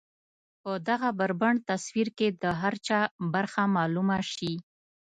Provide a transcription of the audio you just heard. په دغه بربنډ تصوير کې د هر چا برخه معلومه شي.